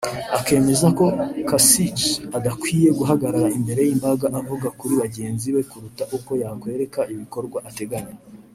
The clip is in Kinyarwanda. Akemeza ko Kasich adakwiye guhagarara imbere y’imbaga avuga kuri bagenzi be kuruta uko yakwerekana ibikorwa ateganya